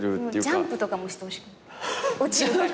ジャンプとかもしてほしくない。